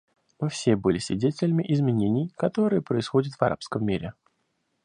Мы все были свидетелями изменений, которые происходят в арабском мире.